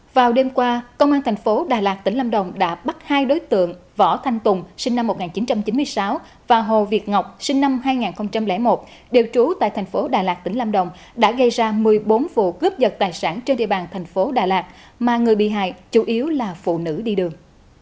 vào đêm qua công an thành phố đà lạt tỉnh lâm đồng đã bắt hai đối tượng võ thanh tùng sinh năm một nghìn chín trăm chín mươi sáu và hồ việt ngọc sinh năm hai nghìn một đều trú tại thành phố đà lạt tỉnh lâm đồng đã gây ra một mươi bốn vụ cướp giật tài sản trên địa bàn thành phố đà lạt mà người bị hại chủ yếu là phụ nữ đi đường